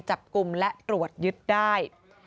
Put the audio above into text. จับกลุ่มและตรวจยึดได้